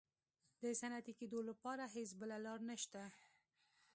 د صنعتي کېدو لپاره هېڅ بله لار نشته.